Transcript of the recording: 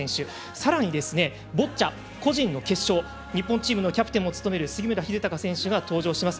さらに、ボッチャ個人の決勝日本チームのキャプテンも務める杉村英孝選手が登場します。